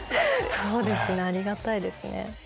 そうですねありがたいですね。